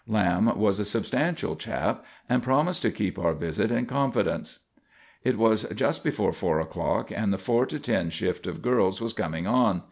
Lamb was a substantial chap, and promised to keep our visit in confidence. It was just before 4 o'clock, and the 4 to 10 shift of girls was coming on.